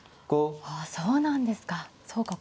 あそうなんですか。